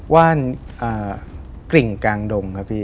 ว่านกลิ่งกลางดงครับพี่